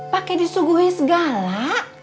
pakai disuguhi segala